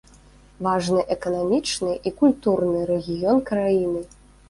Важны эканамічны і культурны рэгіён краіны.